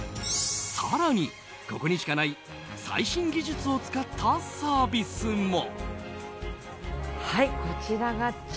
更に、ここしかない最新技術を使ったサービスも。